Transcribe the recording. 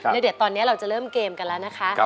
เดี๋ยวตอนนี้เราจะเริ่มเกมกันแล้วนะคะ